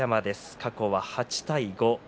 過去は８対５。